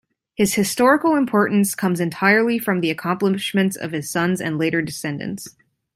His historical importance comes entirely from the accomplishments of his sons and later descendants.